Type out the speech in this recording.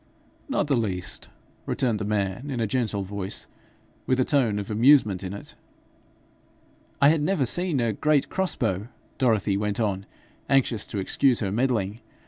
'Not the least,' returned the man, in a gentle voice, with a tone of amusement in it. 'I had never seen a great cross bow,' Dorothy went on, anxious to excuse her meddling.